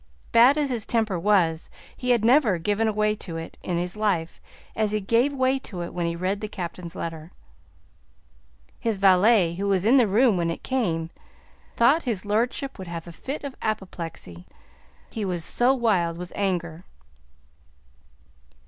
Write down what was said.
Bad as his temper was, he had never given way to it in his life as he gave way to it when he read the Captain's letter. His valet, who was in the room when it came, thought his lordship would have a fit of apoplexy, he was so wild with anger.